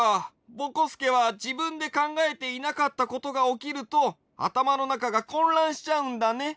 ぼこすけはじぶんでかんがえていなかったことがおきるとあたまのなかがこんらんしちゃうんだね。